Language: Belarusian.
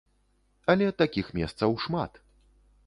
Але такіх месцаў шмат.